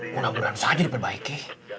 mulai mulai saja diperbaiki